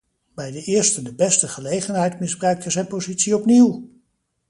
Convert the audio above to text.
Bij de eerste de beste gelegenheid misbruikt hij zijn positie opnieuw!